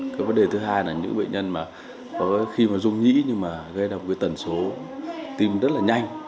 cái vấn đề thứ hai là những bệnh nhân khi mà dung nhĩ nhưng mà gây ra tần số tim rất là nhanh